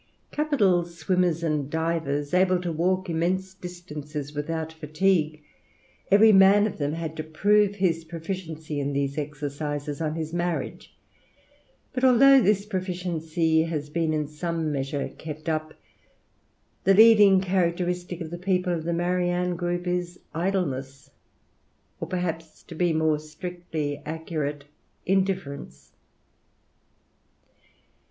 Capital swimmers and divers, able to walk immense distances without fatigue, every man of them had to prove his proficiency in these exercises on his marriage; but although this proficiency has been in some measure kept up, the leading characteristic of the people of the Marianne group is idleness, or perhaps to be more strictly accurate, indifference.